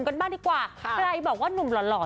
กันบ้างดีกว่าใครบอกว่าหนุ่มหล่อน